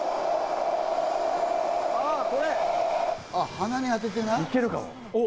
鼻に当ててな。